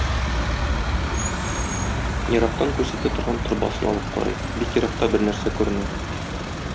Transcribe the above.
Ерактан күрсәтә торган торбасын алып карый, бик еракта бернәрсә күренә.